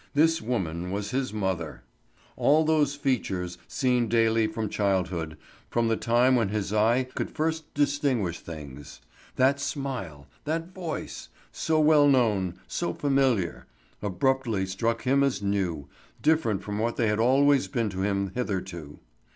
This woman was his mother! All those features, seen daily from childhood, from the time when his eye could first distinguish things, that smile, that voice—so well known, so familiar—abruptly struck him as new, different from what they had always been to him hitherto.